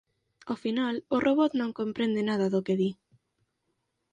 Ao final, o robot non comprende nada do que di